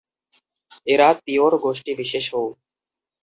এরা তিওড় গোষ্ঠীবিশেষও।